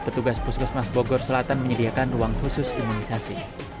petugas puskesmas bogor selatan menyediakan ruang khusus imunisasi